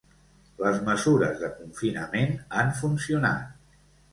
Les mesures de confinament han funcionat.